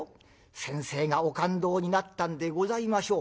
先生がお勘当になったんでございましょう。